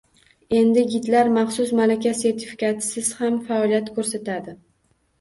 Endi gidlar maxsus malaka sertifikatisiz ham faoliyat ko‘rsatadi